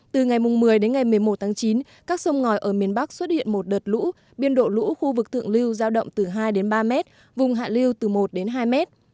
từ ngày một mươi đến ngày một mươi một tháng chín các sông ngòi ở miền bắc xuất hiện một đợt lũ biên độ lũ khu vực thượng lưu giao động từ hai đến ba mét vùng hạ liêu từ một đến hai mét